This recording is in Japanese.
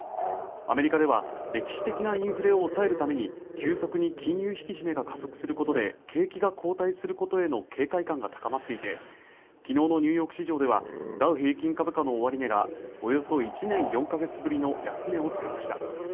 アメリカでは歴史的なインフレを抑えるために急速に金融引き締めが加速することで景気が後退することへの警戒感が高まっていて昨日のニューヨーク市場ではダウ平均株価の終値がおよそ１年４か月ぶりの安値をつけました